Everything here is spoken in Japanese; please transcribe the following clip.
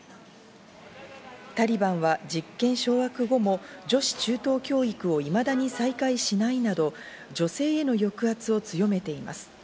タリバンは実権掌握後も女子中等教育をいまだに再開しないなど、女性への抑圧を強めています。